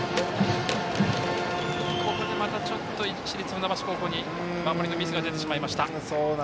ここでまた市立船橋高校に守りのミスが出てしまいました。